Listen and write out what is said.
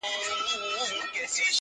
هسي نه چي د قصاب جوړه پلمه سي!.